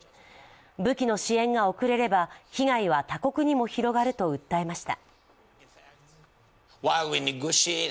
武器の支援が遅れれば被害は他国にも広がると訴えました。